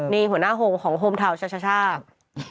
นี่หัวหน้าโฮงของโฮมเทาท์ชาว